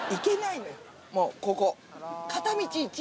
もうここ。